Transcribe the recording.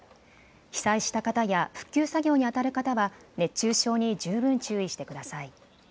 被災した方や復旧作業にあたる方は熱中症に十分注意してください。